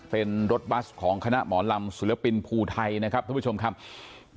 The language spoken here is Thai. เป็นรถบัสของคณะหมอลำศิลปินภูไทยนะครับท่านผู้ชมครับ